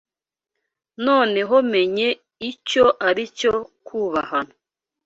Noneho menye icyo aricyo kubahana